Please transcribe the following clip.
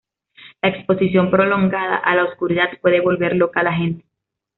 La exposición prolongada a la oscuridad puede volver loca a la gente.